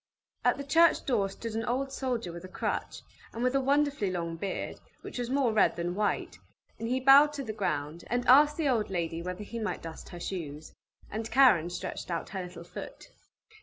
At the church door stood an old soldier with a crutch, and with a wonderfully long beard, which was more red than white, and he bowed to the ground, and asked the old lady whether he might dust her shoes. And Karen stretched out her little foot.